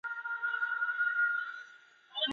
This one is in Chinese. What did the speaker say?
民国五年成立钟山县。